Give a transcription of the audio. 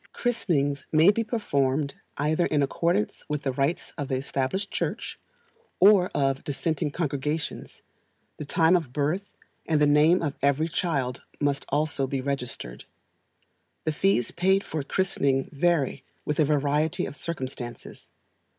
Christenings may be performed either in accordance with the rites of the Established Church, or of dissenting congregations; the time of birth, and the name of every child, must also be registered. The fees paid for christening vary with a variety of circumstances.